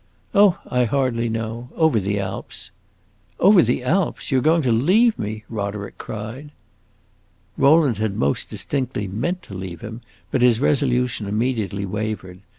"Oh, I hardly know; over the Alps." "Over the Alps! You 're going to leave me?" Roderick cried. Rowland had most distinctly meant to leave him, but his resolution immediately wavered.